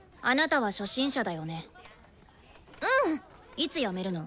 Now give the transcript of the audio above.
いつ辞めるの？